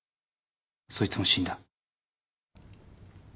そいつも死んだ。